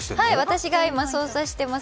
私が今、操作しています。